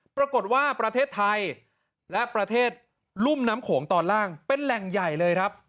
ปรากฏว่าประเทศไทยและประเทศรุ่มน้ำโขงตอนล่างเป็นแหล่งใหญ่เลยครับ